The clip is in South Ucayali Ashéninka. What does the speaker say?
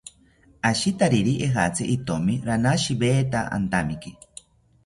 Ashitariri ejatzi itomi ranashiweta antamiki